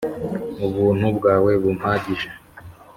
ubuntu bwawe bumpagije